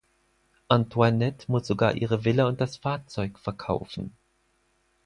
Antoinette muss sogar ihre Villa und das Fahrzeug verkaufen.